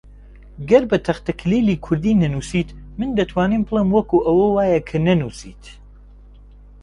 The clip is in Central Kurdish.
گەر بە تەختەکلیلی کوردی نەنووسیت، من دەتوانم بڵێم وەکو ئەوە وایە کە نەنووسیت